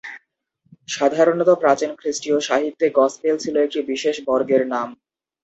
সাধারণত, প্রাচীন খ্রিস্টীয় সাহিত্যে "গসপেল" ছিল একটি বিশেষ বর্গের নাম।